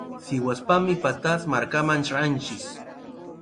Sihuaspami Pataz markaman tranchik.